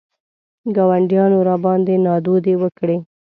ګاونډیانو راباندې نادودې وکړې.